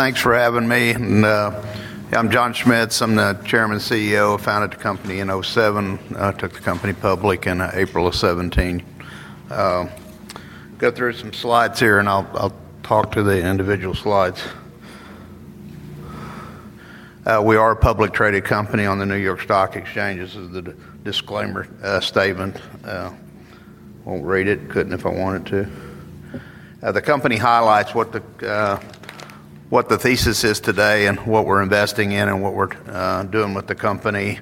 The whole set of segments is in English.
Thanks for having me. I'm John Schmitz. I'm the Chairman and CEO, founded the company in 2007. I took the company public in April of 2017. I'll go through some slides here, and I'll talk to the individual slides. We are a publicly traded company on the New York Stock Exchange, as is the disclaimer statement. I won't read it. I couldn't if I wanted to. The company highlights what the thesis is today and what we're investing in and what we're doing with the company.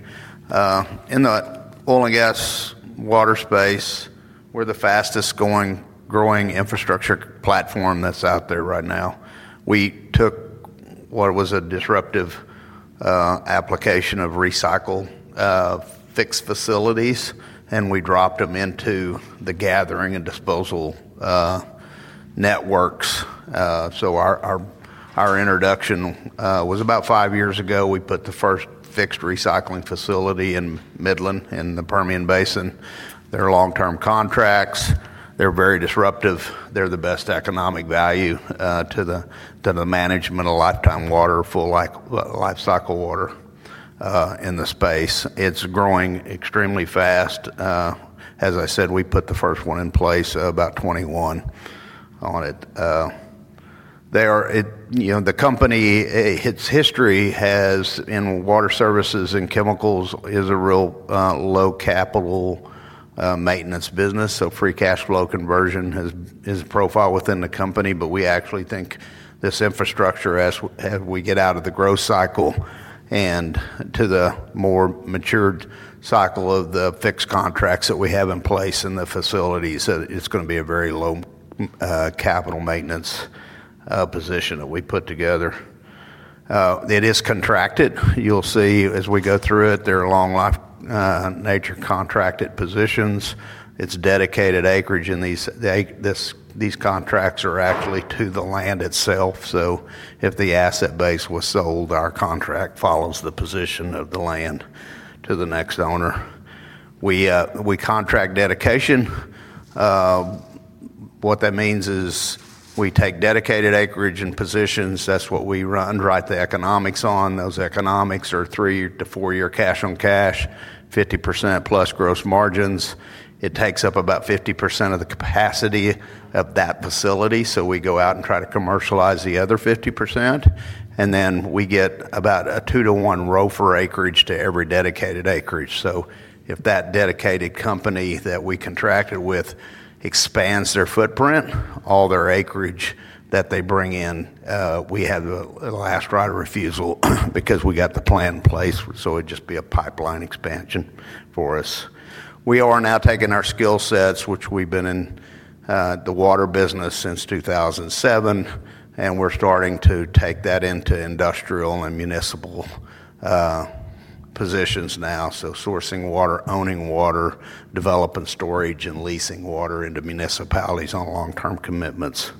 In the oil and gas water space, we're the fastest growing infrastructure platform that's out there right now. We took what was a disruptive application of recycle fixed facilities, and we dropped them into the gathering and disposal networks. Our introduction was about five years ago. We put the first fixed recycling facility in Midland in the Permian Basin. They're long-term contracts. They're very disruptive. They're the best economic value to the management of lifetime water, full life cycle water in the space. It's growing extremely fast. We put the first one in place about 2021 on it. The company, its history in Water Services and chemicals, is a real low-capital maintenance business. Free cash flow conversion is profiled within the company. We actually think this infrastructure, as we get out of the growth cycle and to the more matured cycle of the fixed contracts that we have in place in the facilities, is going to be a very low-capital maintenance position that we put together. It is contracted. You'll see as we go through it, there are long life nature contracted positions. It's dedicated acreage, and these contracts are actually to the land itself. If the asset base was sold, our contract follows the position of the land to the next owner. We contract dedication. What that means is we take dedicated acreage and positions. That's what we run the economics on. Those economics are three to four-year cash on cash, 50% plus gross margins. It takes up about 50% of the capacity of that facility. We go out and try to commercialize the other 50%. We get about a two-to-one row for acreage to every dedicated acreage. If that dedicated company that we contracted with expands their footprint, all their acreage that they bring in, we have a last-right refusal because we got the plan in place. It would just be a pipeline expansion for us. We are now taking our skill sets, which we've been in the water business since 2007, and we're starting to take that into industrial and municipal positions now. Sourcing water, owning water, developing storage, and leasing water into municipalities on long-term commitments.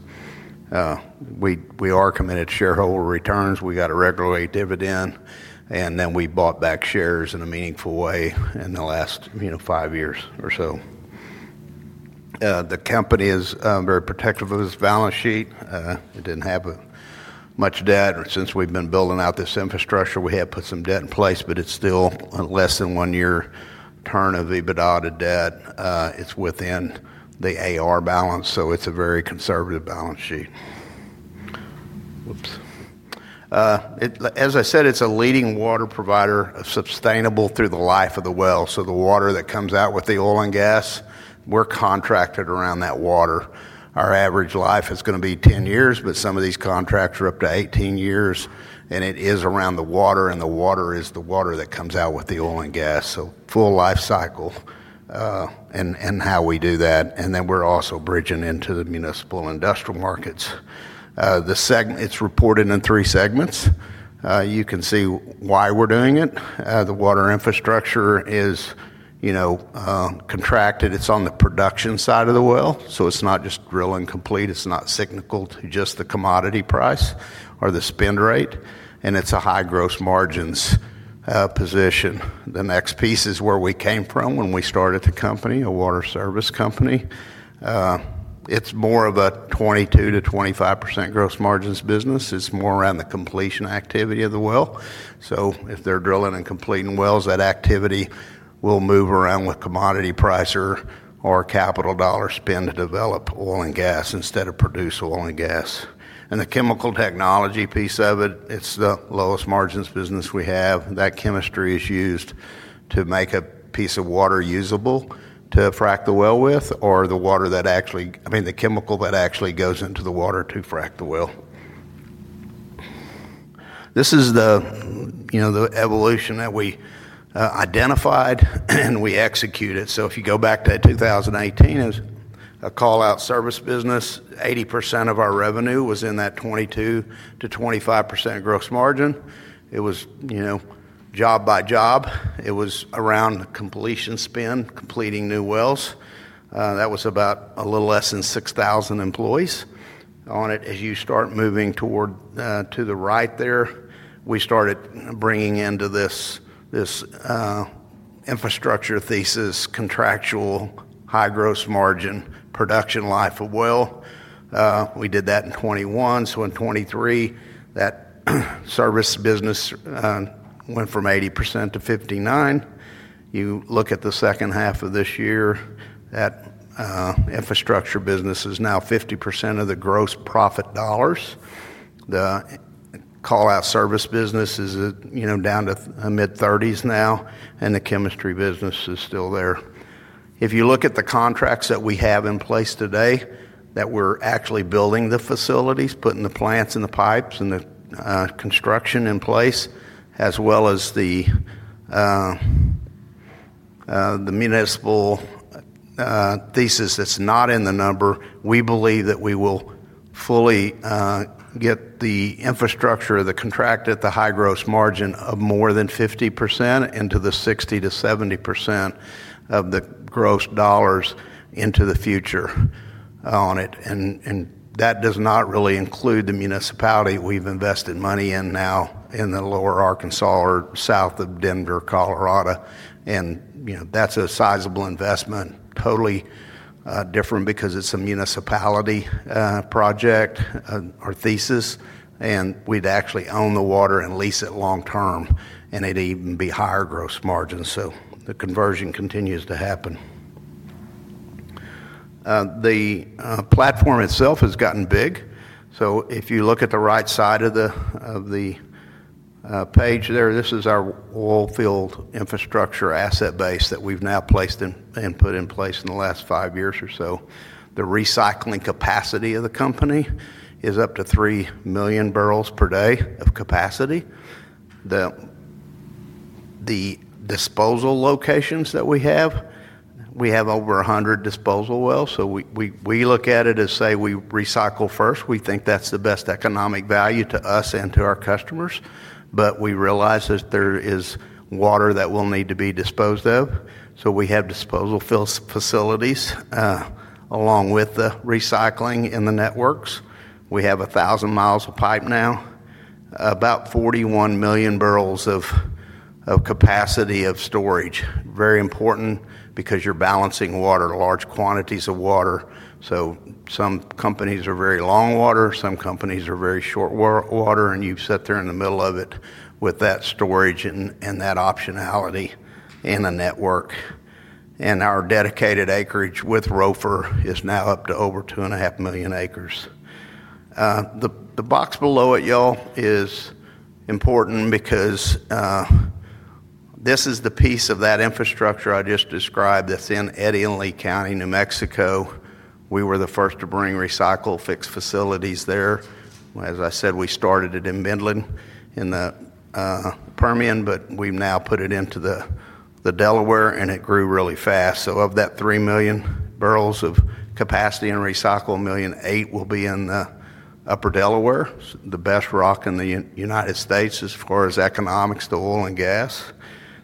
We are committed to shareholder returns. We got a regular dividend, and then we bought back shares in a meaningful way in the last five years or so. The company is very protective of its balance sheet. It didn't have much debt. Since we've been building out this infrastructure, we have put some debt in place, but it's still less than one-year turn of EBITDA to debt. It's within the AR balance. It's a very conservative balance sheet. As I said, it's a leading water provider of sustainable through the life of the well. The water that comes out with the oil and gas, we're contracted around that water. Our average life is going to be 10 years, but some of these contracts are up to 18 years, and it is around the water, and the water is the water that comes out with the oil and gas. Full life cycle in how we do that. We're also bridging into the municipal and industrial markets. It's reported in three segments. You can see why we're doing it. The Water Infrastructure is contracted. It's on the production side of the well. It's not just drilling complete. It's not cyclical to just the commodity price or the spend rate. It's a high gross margins position. The next piece is where we came from when we started the company, a Water Services company. It's more of a 22% to 25% gross margins business. It's more around the completion activity of the well. If they're drilling and completing wells, that activity will move around with commodity price or capital dollar spend to develop oil and gas instead of produce oil and gas. The Chemical Technologies piece of it, it's the lowest margins business we have. That chemistry is used to make a piece of water usable to frack the well with or the water that actually, I mean, the chemical that actually goes into the water to frack the well. This is the evolution that we identified and we executed. If you go back to 2018, it was a call-out service business. 80% of our revenue was in that 22% to 25% gross margin. It was job by job. It was around the completion spend, completing new wells. That was about a little less than 6,000 employees on it. As you start moving toward to the right there, we started bringing into this infrastructure thesis, contractual high gross margin production life of well. We did that in 2021. In 2023, that service business went from 80% to 59%. You look at the second half of this year, that infrastructure business is now 50% of the gross profit dollars. The call-out service business is down to the mid-30s now, and the chemistry business is still there. If you look at the contracts that we have in place today that we're actually building the facilities, putting the plants and the pipes and the construction in place, as well as the municipal thesis that's not in the number, we believe that we will fully get the infrastructure of the contract at the high gross margin of more than 50% into the 60 to 70% of the gross dollars into the future on it. That does not really include the municipality we've invested money in now in the lower Arkansas River or south of Denver, Colorado. That's a sizable investment, totally different because it's a municipality project or thesis, and we'd actually own the water and lease it long term, and it'd even be higher gross margins. The conversion continues to happen. The platform itself has gotten big. If you look at the right side of the page there, this is our oil field infrastructure asset base that we've now placed and put in place in the last five years or so. The recycling capacity of the company is up to 3 million barrels per day of capacity. The disposal locations that we have, we have over 100 disposal wells. We look at it as, say, we recycle first. We think that's the best economic value to us and to our customers. We realize that there is water that will need to be disposed of. We have disposal facilities along with the recycling in the networks. We have 1,000 miles of pipe now, about 41 million barrels of capacity of storage. Very important because you're balancing water, large quantities of water. Some companies are very long water, some companies are very short water, and you sit there in the middle of it with that storage and that optionality in a network. Our dedicated acreage with ROFR is now up to over 2.5 million acres. The box below it, y'all, is important because this is the piece of that infrastructure I just described that's in Eddy County, New Mexico. We were the first to bring recycle fixed facilities there. As I said, we started it in Midland in the Permian, but we've now put it into the Delaware, and it grew really fast. Of that 3 million barrels of capacity and recycle a million, eight will be in the upper Delaware, the best rock in the United States as far as economics to oil and gas,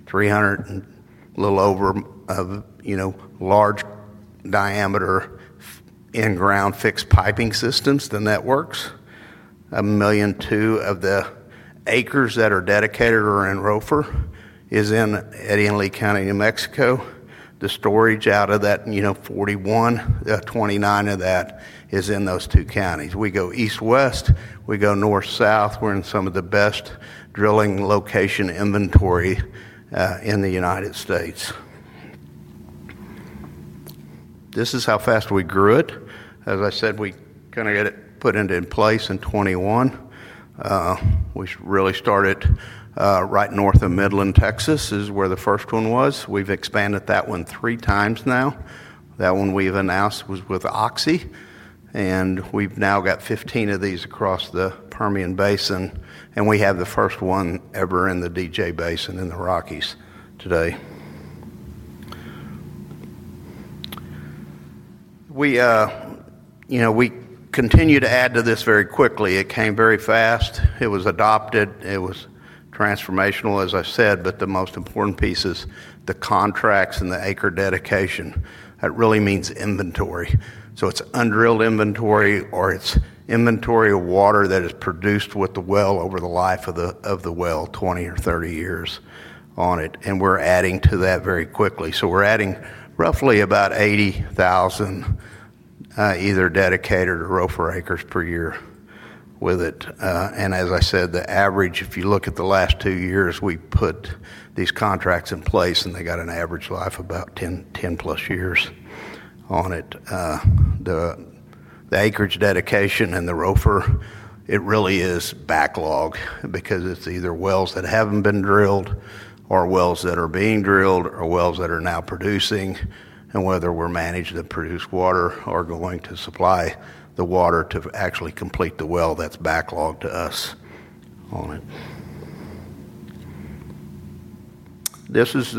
300 and a little over of large diameter in-ground fixed piping systems, the networks. A million two of the acres that are dedicated or in ROFR is in Eddy and Lea County, New Mexico. The storage out of that, you know, 41, 29 of that is in those two counties. We go east-west, we go north-south. We're in some of the best drilling location inventory in the United States. This is how fast we grew it. As I said, we kind of got it put into place in 2021. We really started right north of Midland, Texas, is where the first one was. We've expanded that one three times now. That one we've announced was with Oxy, and we've now got 15 of these across the Permian Basin, and we have the first one ever in the DJ Basin in the Rockies today. We continue to add to this very quickly. It came very fast. It was adopted. It was transformational, as I said. The most important piece is the contracts and the acre dedication. That really means inventory. It's undrilled inventory or it's inventory of water that is produced with the well over the life of the well, 20 or 30 years on it. We're adding to that very quickly. We're adding roughly about 80,000 either dedicated or ROFR acres per year with it. As I said, the average, if you look at the last two years, we put these contracts in place and they got an average life of about 10+ years on it. The acreage dedication and the ROFR, it really is backlogged because it's either wells that haven't been drilled or wells that are being drilled or wells that are now producing and whether we're managed to produce water or going to supply the water to actually complete the well that's backlogged to us on it. This is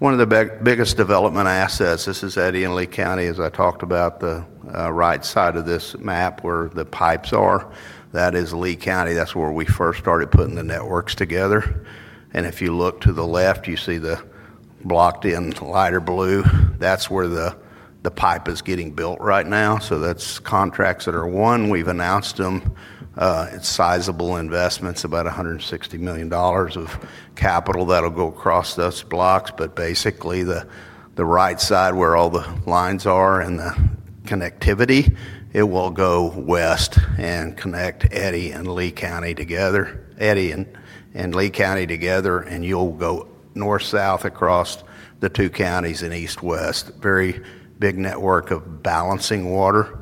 one of the biggest development assets. This is Eddy and Lea County, as I talked about. The right side of this map where the pipes are, that is Lea County. That's where we first started putting the networks together. If you look to the left, you see the blocked in lighter blue. That's where the pipe is getting built right now. That's contracts that are won. We've announced them. It's sizable investments, about $160 million of capital that'll go across those blocks. Basically, the right side where all the lines are and the connectivity, it will go west and connect Eddy and Lea County together, Eddy and Lea County together, and you'll go North-south across the two counties and east-west, very big network of balancing water,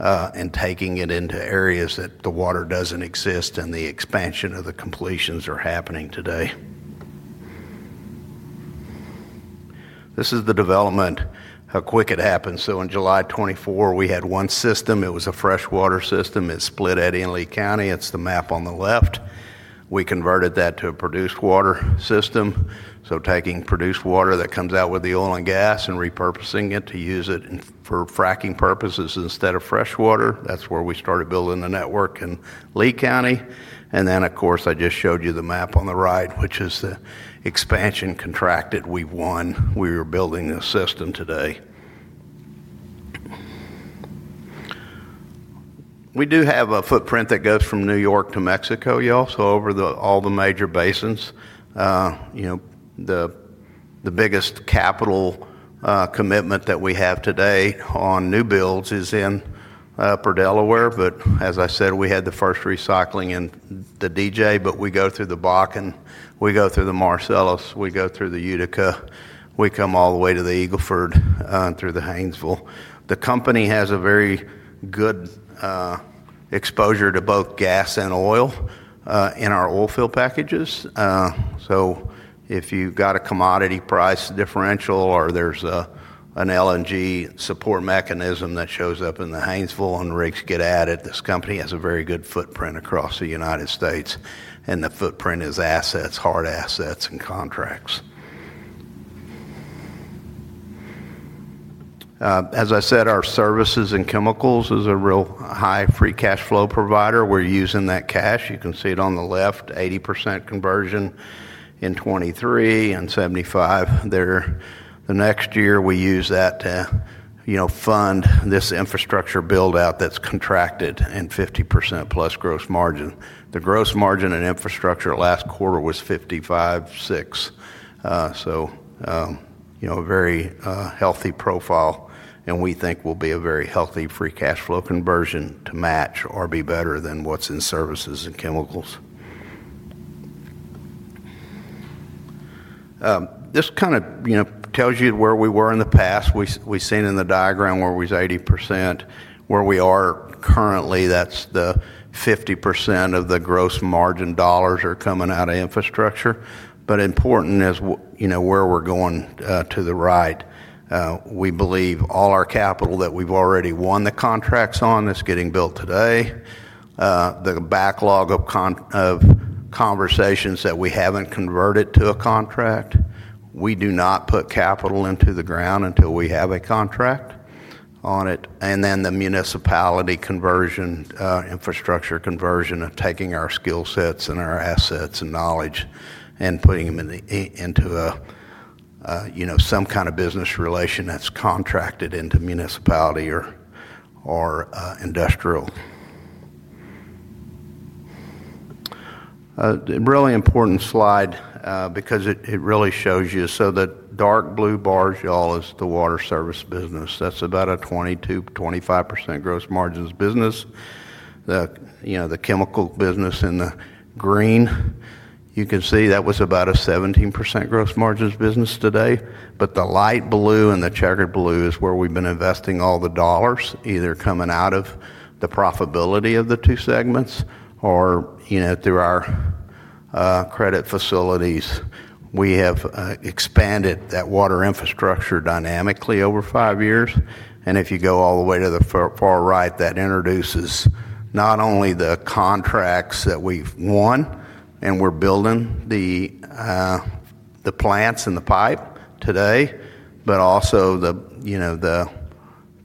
and taking it into areas that the water doesn't exist and the expansion of the completions are happening today. This is the development, how quick it happened. On July 24, we had one system. It was a freshwater system. It split Eddy and Lea County. It's the map on the left. We converted that to a produced water system, taking produced water that comes out with the oil and gas and repurposing it to use it for fracking purposes instead of freshwater. That's where we started building the network in Lea County. I just showed you the map on the right, which is the expansion contract that we've won. We are building a system today. We do have a footprint that goes from New York to Mexico, y'all. Over all the major basins, the biggest capital commitment that we have today on new builds is in Upper Delaware. As I said, we had the first recycling in the DJ, but we go through the Bakken, we go through the Marcellus, we go through the Utica, we come all the way to the Eagle Ford and through the Haynesville. The company has a very good exposure to both gas and oil in our oil field packages. If you've got a commodity price differential or there's an LNG support mechanism that shows up in the Haynesville and rigs get added, this company has a very good footprint across the United States. The footprint is assets, hard assets, and contracts. As I said, our services and chemicals is a real high free cash flow provider. We're using that cash. You can see it on the left, 80% conversion in 2023 and 75% there. The next year, we use that to fund this infrastructure build-out that's contracted in 50% plus gross margin. The gross margin in infrastructure last quarter was 55.6%. A very healthy profile, and we think will be a very healthy free cash flow conversion to match or be better than what's in services and chemicals. This kind of tells you where we were in the past. We've seen in the diagram where we was 80%, where we are currently, that's the 50% of the gross margin dollars are coming out of infrastructure. Important is where we're going to the right. We believe all our capital that we've already won the contracts on is getting built today. The backlog of conversations that we haven't converted to a contract, we do not put capital into the ground until we have a contract on it. The municipality conversion, infrastructure conversion of taking our skill sets and our assets and knowledge and putting them into a, you know, some kind of business relation that's contracted into municipality or industrial. A really important slide because it really shows you. The dark blue bars, y'all, is the Water Services business. That's about a 22% to 25% gross margins business. The Chemical Technologies business in the green, you can see that was about a 17% gross margins business today. The light blue and the checkered blue is where we've been investing all the dollars, either coming out of the profitability of the two segments or, you know, through our credit facilities. We have expanded that Water Infrastructure dynamically over five years. If you go all the way to the far right, that introduces not only the contracts that we've won and we're building the plants and the pipe today, but also the, you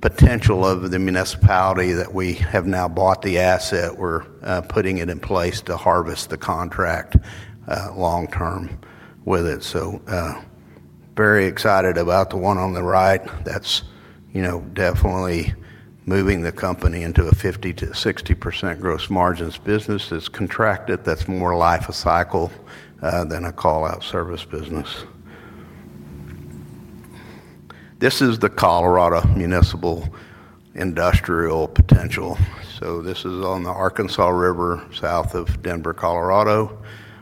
know, the potential of the municipality that we have now bought the asset. We're putting it in place to harvest the contract long term with it. Very excited about the one on the right. That's, you know, definitely moving the company into a 50% to 60% gross margins business that's contracted, that's more life cycle than a call-out service business. This is the Colorado Municipal Industrial Potential. This is on the Arkansas River, south of Denver, Colorado.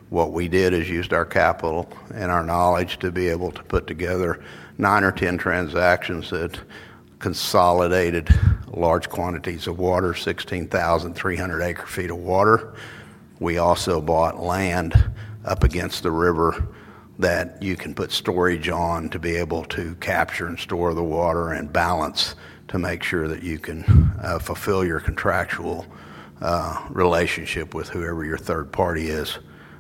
What we did is used our capital and our knowledge to be able to put together nine or ten transactions that consolidated large quantities of water, 16,300 acre-feet of water. We also bought land up against the river that you can put storage on to be able to capture and store the water and balance to make sure that you can fulfill your contractual relationship with whoever your third party is.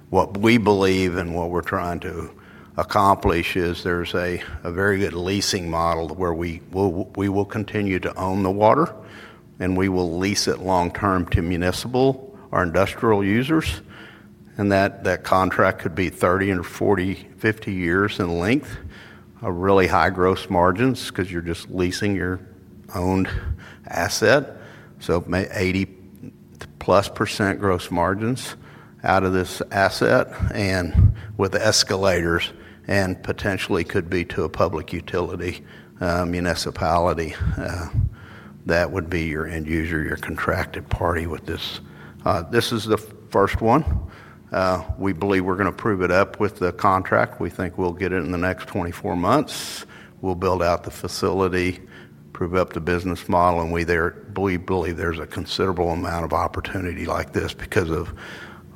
What we believe and what we're trying to accomplish is there's a very good leasing model where we will continue to own the water and we will lease it long term to municipal or industrial users. That contract could be 30 or 40, 50 years in length, a really high gross margins because you're just leasing your own asset. So 80% plus gross margins out of this asset and with escalators and potentially could be to a public utility municipality. That would be your end user, your contracted party with this. This is the first one. We believe we're going to prove it up with the contract. We think we'll get it in the next 24 months. We'll build out the facility, prove up the business model, and we believe there's a considerable amount of opportunity like this because of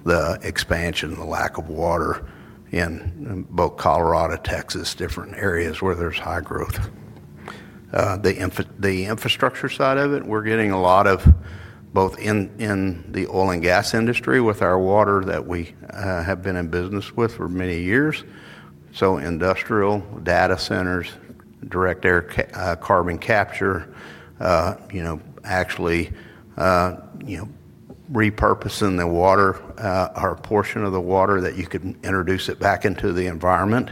the expansion, the lack of water in both Colorado, Texas, different areas where there's high growth. The infrastructure side of it, we're getting a lot of both in the oil and gas industry with our water that we have been in business with for many years. Industrial data centers, direct air carbon capture, actually repurposing the water, our portion of the water that you could introduce it back into the environment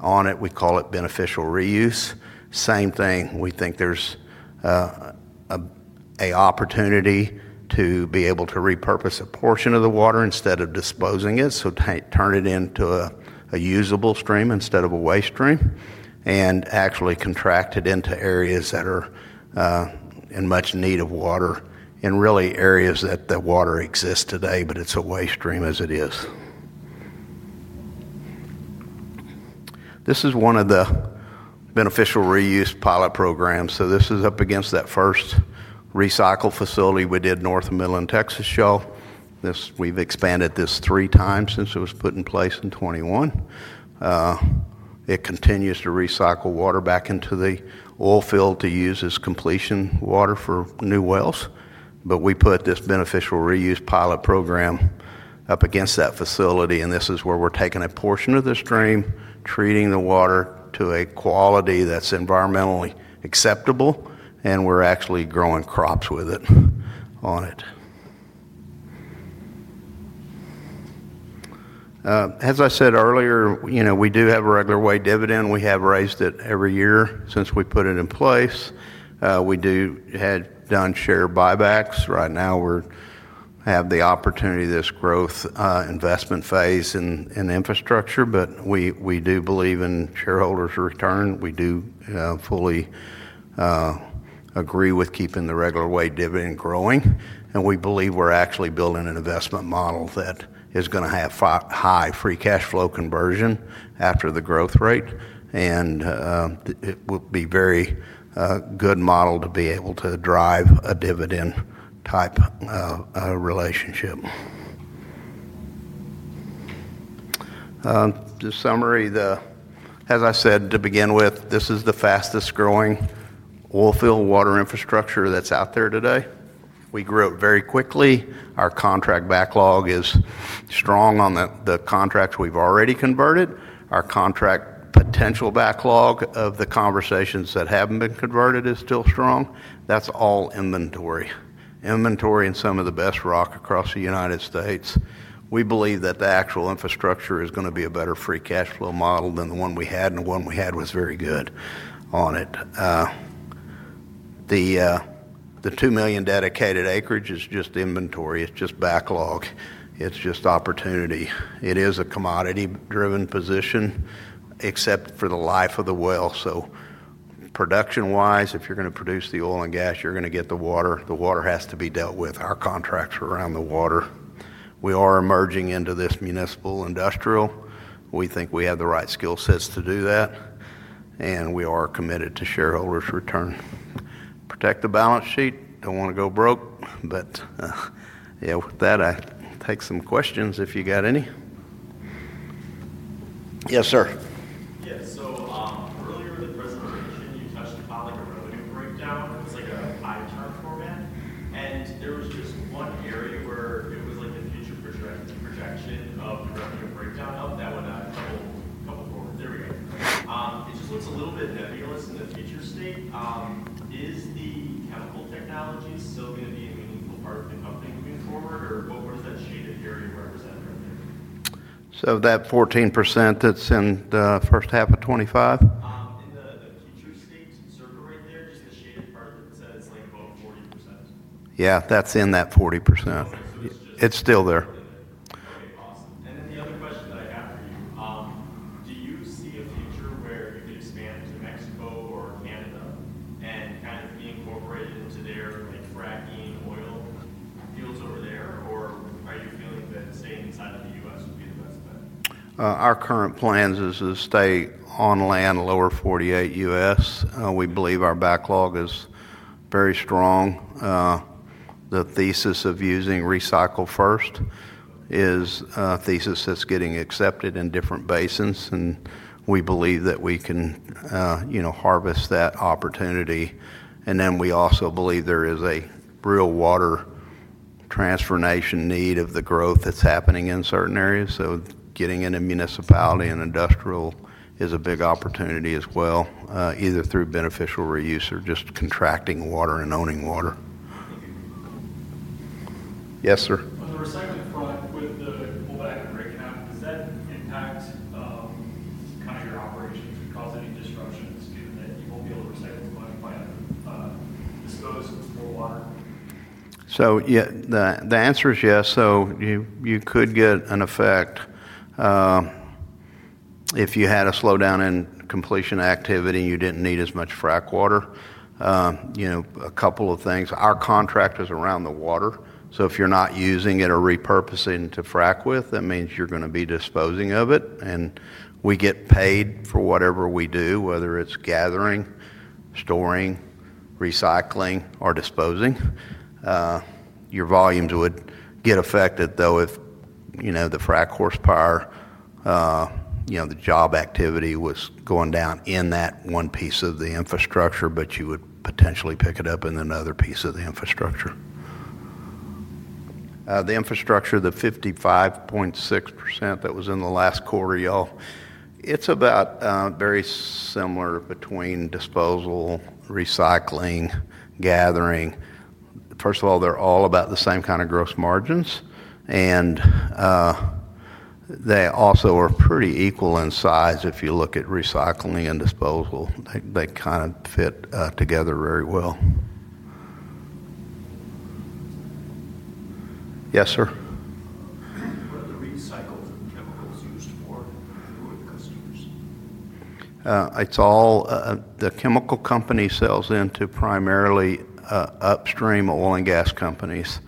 on it. We call it beneficial reuse. Same thing. We think there's an opportunity to be able to repurpose a portion of the water instead of disposing it. Turn it into a usable stream instead of a waste stream and actually contract it into areas that are in much need of water and really areas that the water exists today, but it's a waste stream as it is. This is one of the beneficial reuse pilot programs. This is up against that first recycle facility we did north of Midland, Texas shelf. We've expanded this three times since it was put in place in 2021. It continues to recycle water back into the oil field to use as completion water for new wells. We put this beneficial reuse pilot program up against that facility, and this is where we're taking a portion of the stream, treating the water to a quality that's environmentally acceptable, and we're actually growing crops with it on it. As I said earlier, we do have a regular way dividend. We have raised it every year since we put it in place. We have done share buybacks. Right now, we have the opportunity, this growth investment phase in infrastructure, but we do believe in shareholders' return. We do fully agree with keeping the regular way dividend growing. We believe we're actually building an investment model that is going to have high free cash flow conversion after the growth rate. It will be a very good model to be able to drive a dividend type relationship. The summary, as I said to begin with, this is the fastest growing oil field water infrastructure that's out there today. We grew up very quickly. Our contract backlog is strong on the contracts we've already converted. Our contract potential backlog of the conversations that haven't been converted is still strong. That's all inventory. Inventory and some of the best rock across the United States. We believe that the actual infrastructure is going to be a better free cash flow model than the one we had, and the one we had was very good on it. The $2 million dedicated acreage is just inventory. It's just backlog. It's just opportunity. It is a commodity-driven position except for the life of the well. Production-wise, if you're going to produce the oil and gas, you're going to get the water. The water has to be dealt with. Our contracts are around the water. We are emerging into this municipal industrial. We think we have the right skill sets to do that, and we are committed to shareholders' return. Protect the balance sheet. Don't want to go broke, but yeah, with that, I take some questions if you got any. Yes, sir. Yeah. Earlier in the presentation, you touched upon the relative breakdown. It was like a MyTab format. There was just one area where it was the future projection of the relative breakdown of that one out. Oh, there we go. It just looks a little bit there. You know, it's the future state. Is the Chemical Technologies still going to be a meaningful part of moving forward, or what was that? That 14% that's in the first half of 2025? Yeah, that's in that 40%. It's still there. Do you see a future where the expansion actually will expand it up and kind of inventory into their fracking oil fields over there, or are you feeling that? Our current plans is to stay on land lower 48 U.S. We believe our backlog is very strong. The thesis of using recycle first is a thesis that's getting accepted in different basins, and we believe that we can harvest that opportunity. We also believe there is a real water transformation need of the growth that's happening in certain areas. Getting into municipality and industrial is a big opportunity as well, either through beneficial reuse or just contracting water and owning water. Yes, sir. On the recycling front, with the whole bag of recap, does that impact kind of your operations or cause any disruptions to be able to recycle? Yes, the answer is yes. You could get an effect if you had a slowdown in completion activity and you didn't need as much frack water. A couple of things. Our contract is around the water, so if you're not using it or repurposing to frack with, that means you're going to be disposing of it. We get paid for whatever we do, whether it's gathering, storing, recycling, or disposing. Your volumes would get affected, though, if the frack horsepower, the job activity was going down in that one piece of the infrastructure, but you would potentially pick it up in another piece of the infrastructure. The infrastructure, the 55.6% that was in the last quarter, it's about very similar between disposal, recycling, gathering. First of all, they're all about the same kind of gross margins, and they also are pretty equal in size if you look at recycling and disposal. They kind of fit together very well. Yes, sir. What are the recycles and chemicals used for? It's all the chemical company sells into primarily upstream oil and gas companies.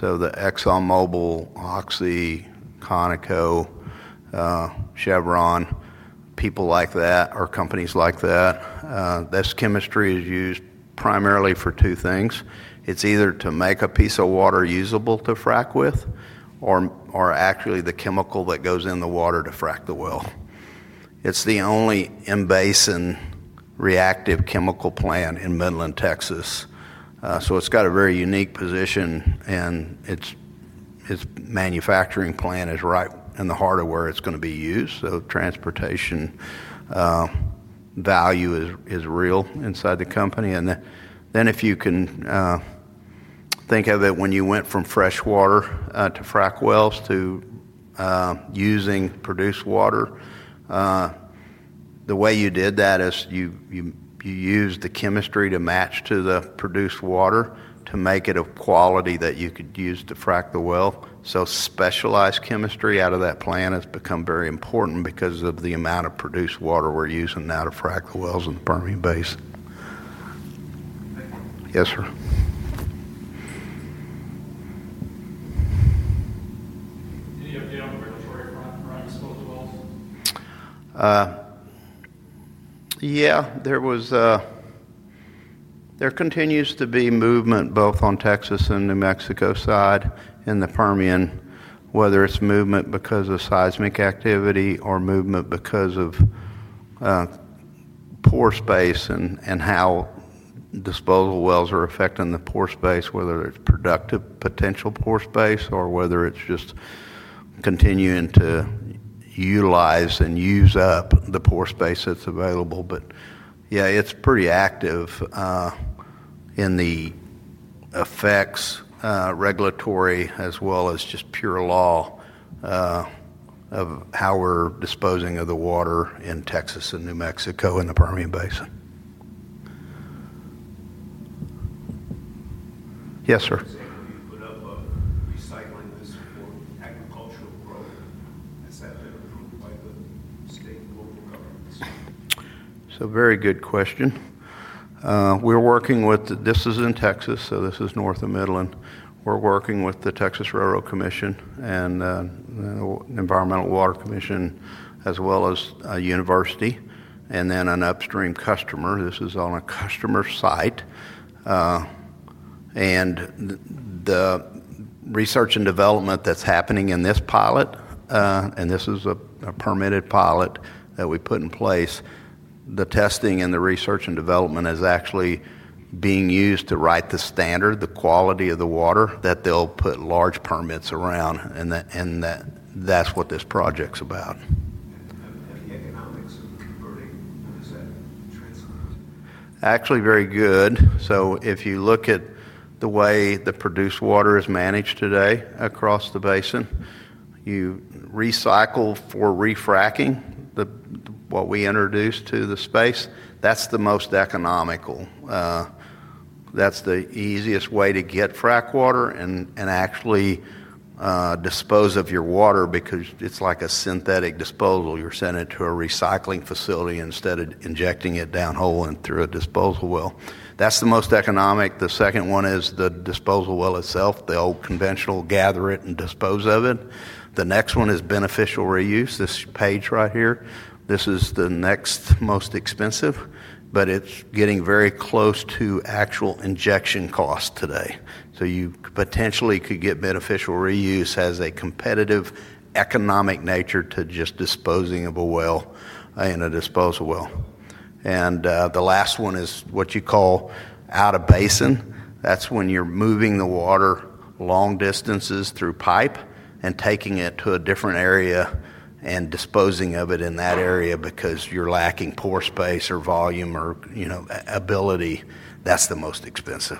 The ExxonMobil, Oxy, Conoco, Chevron, people like that, or companies like that. This chemistry is used primarily for two things. It's either to make a piece of water usable to frack with or actually the chemical that goes in the water to frack the well. It's the only in-base and reactive chemical plant in Midland, Texas. It has a very unique position, and its manufacturing plant is right in the heart of where it's going to be used. Transportation value is real inside the company. If you can think of it, when you went from freshwater to frack wells to using produced water, the way you did that is you used the chemistry to match to the produced water to make it of quality that you could use to frack the well. Specialized chemistry out of that plant has become very important because of the amount of produced water we're using now to frack the wells in the Permian Basin. Yes, sir. Do you have the regulatory front from where I was told as well? Yeah, there continues to be movement both on Texas and New Mexico side in the Permian, whether it's movement because of seismic activity or movement because of pore space and how disposal wells are affecting the pore space, whether it's productive potential pore space or whether it's just continuing to utilize and use up the pore space that's available. It's pretty active in the effects, regulatory, as well as just pure law of how we're disposing of the water in Texas and New Mexico in the Permian Basin. Yes, sir. What about recycling this for agricultural stakeholder? Very good question. We're working with, this is in Texas, north of Midland. We're working with the Texas Railroad Commission and the Environmental Water Commission, as well as a university and then an upstream customer. This is on a customer site. The research and development that's happening in this pilot, and this is a permitted pilot that we put in place, the testing and the research and development is actually being used to write the standard, the quality of the water that they'll put large permits around. That's what this project's about. Actually, very good. If you look at the way the produced water is managed today across the basin, you recycle for refracking what we introduced to the space. That's the most economical. That's the easiest way to get frack water and actually dispose of your water because it's like a synthetic disposal. You're sending it to a recycling facility instead of injecting it down hole and through a disposal well. That's the most economic. The second one is the disposal well itself. They'll conventionally gather it and dispose of it. The next one is beneficial reuse. This page right here, this is the next most expensive, but it's getting very close to actual injection costs today. You potentially could get beneficial reuse as a competitive economic nature to just disposing of a well in a disposal well. The last one is what you call out of basin. That's when you're moving the water long distances through pipe and taking it to a different area and disposing of it in that area because you're lacking pore space or volume or ability. That's the most expensive.